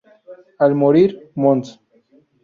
Al morir Mons.